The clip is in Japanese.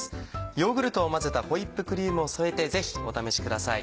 ヨーグルトを混ぜたホイップクリームを添えてぜひお試しください。